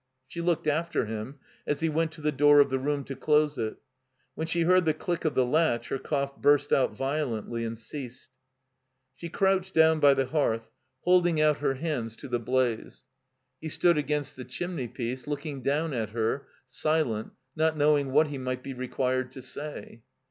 She looked after him as he went to the door of the room to close it. When she heard the click of the latch her cough bmst out violently and ceased. She crouched down by the hearth, holding out 25 379 THE COMBINED MAZE her hands to the blaze. He stood against the chim ney piece, looking down at her, silent, not knowing what he might be required to say.